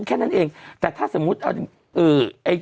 แค่นั้นเองแต่ถ้าสมมุติเอา